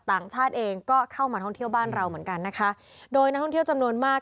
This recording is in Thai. ต่างชาติเองก็เข้ามาท่องเที่ยวบ้านเราเหมือนกันนะคะโดยนักท่องเที่ยวจำนวนมาก